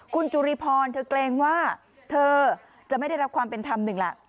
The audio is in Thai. คุณจุริพรเธอเกรงว่าเธอจะไม่ได้รับความเป็นธรรมหนึ่งล่ะ